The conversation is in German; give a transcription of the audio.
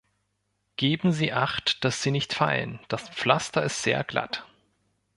Geben Sie acht, dass Sie nicht fallen, das Pflaster ist sehr glatt.